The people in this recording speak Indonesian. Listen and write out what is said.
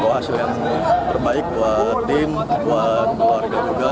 bawa hasil yang terbaik buat tim buat keluarga juga